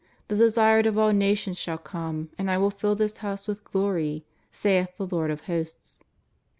The Desired of all nations shall come, and I will fill this house with glory, saith the Lord of Hosts."